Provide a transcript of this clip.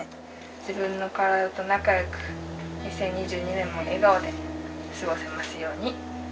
自分の体と仲よく２０２２年も笑顔で過ごせますように。